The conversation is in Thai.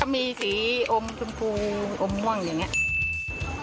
มีสีอมชมพูอมม่วงอย่างนี้